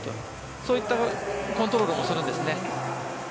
そういったコントロールをするんですね。